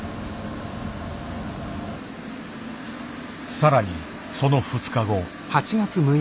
更にその２日後。